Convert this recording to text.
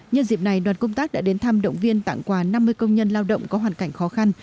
nhân dịp này đoàn công tác đã đến thăm động viên tặng quà năm mươi công nhân lao động có hoàn cảnh khó khăn